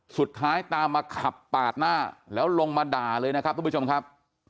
สุดท้ายตามมาขับปาดหน้าแล้วลงมาด่าเลยนะครับทุกผู้ชมครับ